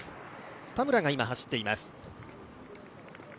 田村が今、走っています。